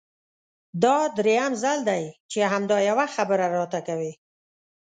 دا درېيم ځل دی چې همدا يوه خبره راته کوې!